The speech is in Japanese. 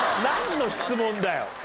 なんの質問だよ。